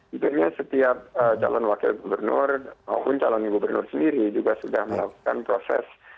tentunya setiap calon wakil gubernur maupun calon gubernur sendiri juga sudah melakukan proses